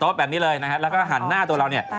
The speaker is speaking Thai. แบบนี้เลยนะครับแล้วก็หันหน้าตัวเราเนี่ย